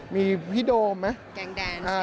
มีพี่โดมนะ